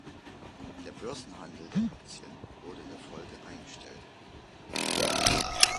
Der Börsenhandel der Aktien wurde in der Folge eingestellt.